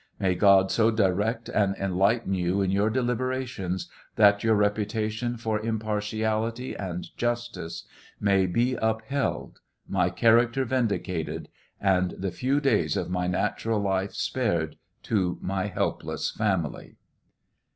May God so direct and enlighten you in your deliberations that your reputation for impartiality and justice may be upheld, my character vindicated, and the few days of my natural i life spared to my helpless family.